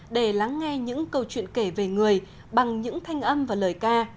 để lắng nghe những câu chuyện kể về người bằng những thanh âm và lời ca